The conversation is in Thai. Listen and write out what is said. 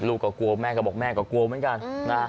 ก็กลัวแม่ก็บอกแม่ก็กลัวเหมือนกันนะ